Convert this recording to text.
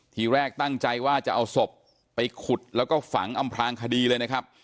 ทีแรกตั้งใจว่าจะเอาศพไปขุดแล้วก็ฝังอำพลางคดีเลยนะครับ